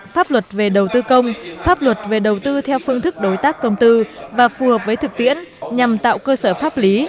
pháp luật về đầu tư công pháp luật về đầu tư theo phương thức đối tác công tư và phù hợp với thực tiễn nhằm tạo cơ sở pháp lý